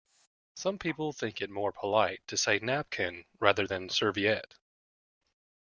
Some people think it more polite to say napkin rather than serviette